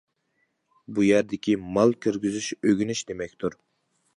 بۇ يەردىكى مال كىرگۈزۈش ئۆگىنىش دېمەكتۇر.